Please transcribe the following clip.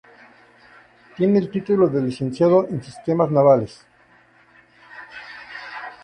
Tiene el título de Licenciado en Sistemas Navales.